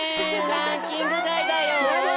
ランキングがいだよ。